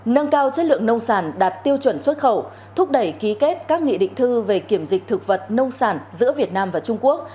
nâng cao chất lượng nông sản đạt tiêu chuẩn xuất khẩu thúc đẩy ký kết các nghị định thư về kiểm dịch thực vật nông sản giữa việt nam và trung quốc